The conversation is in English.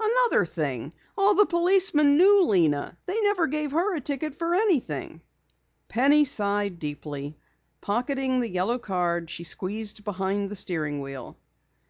Another thing, all the policemen knew Lena. They never gave her a ticket for anything." Penny sighed deeply. Pocketing the yellow card, she squeezed behind the steering wheel.